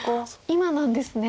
今なんですね。